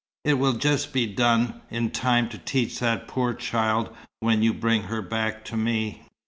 It will just be done in time to teach that poor child when you bring her back to me."